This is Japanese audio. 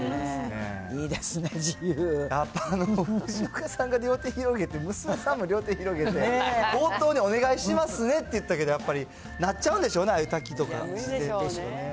いいですね、藤岡さんが両手広げて、娘さんも両手広げて、冒頭にお願いしますねって言ったけど、やっぱりなっちゃうんでしょうね、ああいう滝とか。